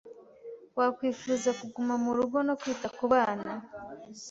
Wakwifuza kuguma murugo no kwita kubana?